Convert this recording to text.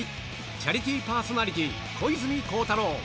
チャリティーパーソナリティー、小泉孝太郎。